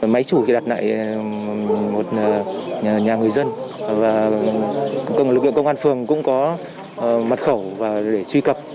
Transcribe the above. máy chủ đặt lại một nhà người dân và công an phường cũng có mật khẩu để truy cập